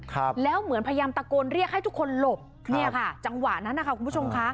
ครับแล้วเหมือนพยายามตะโกนเรียกให้ทุกคนหลบเนี่ยค่ะจังหวะนั้นนะคะคุณผู้ชมค่ะ